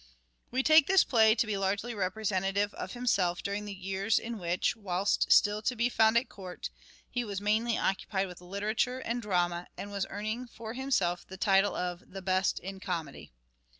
We take this play to be largely representative of himself during the years in which, whilst still to be found at court, he was mainly occupied with literature and drama, and was earning for himself the title of " the best in comedy."